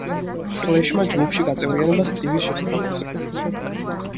სლეშმა ჯგუფში გაწევრიანება სტივის შესთავაზა.